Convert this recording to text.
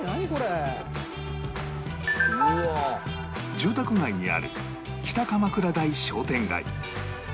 住宅街にある北鎌倉台商店街